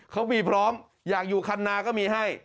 เขามีพร้อมอยากอยู่คันนาก็มีให้